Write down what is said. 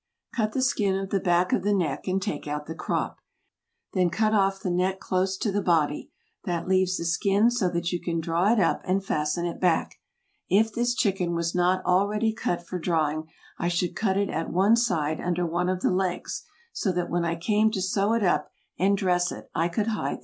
Cut the skin of the back of the neck and take out the crop, then out off the neck close to the body, that leaves the skin so that you can draw it up and fasten it back. If this chicken was not already cut for drawing I should cut it at one side under one of the legs, so that when I came to sew it up and dress it I could hide the cut.